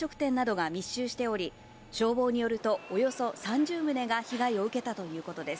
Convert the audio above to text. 現場は木造の飲食店などが密集しており、消防によるとおよそ３０棟が被害を受けたということです。